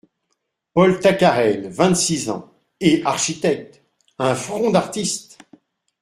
Paul Tacarel , vingt-six ans… et architecte !… un front d’artiste !…